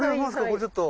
これちょっと。